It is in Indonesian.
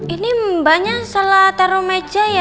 ini mbaknya salah taruh meja ya